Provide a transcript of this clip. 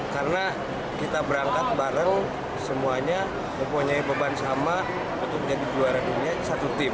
karena kita berangkat bareng semuanya mempunyai beban sama untuk menjadi juara dunia satu tim